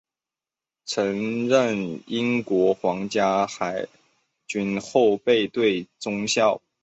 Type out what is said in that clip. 曾任英国皇家海军后备队中校。